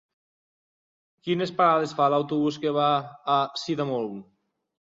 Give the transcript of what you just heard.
Quines parades fa l'autobús que va a Sidamon?